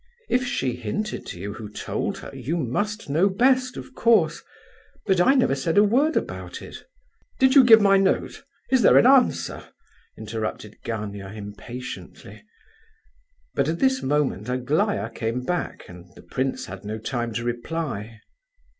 "If she hinted to you who told her you must know best, of course; but I never said a word about it." "Did you give my note? Is there an answer?" interrupted Gania, impatiently. But at this moment Aglaya came back, and the prince had no time to reply.